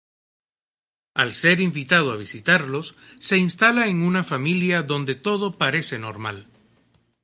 Al ser invitado a visitarlos, se instala en una familia donde todo parece normal.